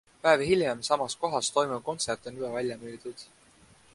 Päev hiljem samas kohas toimuv kontsert on juba välja müüdud.